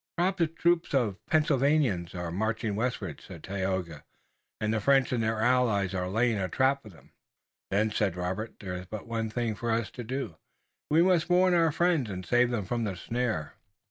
"Perhaps a troop of Pennsylvanians are marching westward," said Tayoga, "and the French and their allies are laying a trap for them." "Then," said Robert, "there is but one thing for us to do. We must warn our friends and save them from the snare."